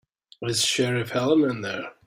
Is Sheriff Helen in there?